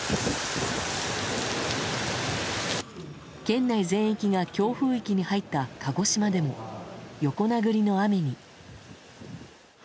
県内全域が強風域に入った鹿児島でも横殴りの雨に。